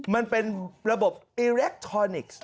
มันเป็นระบบอิเล็กทรอนิกส์